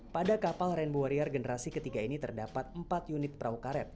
pada kapal rainbow warrior generasi ketiga ini terdapat empat unit perahu karet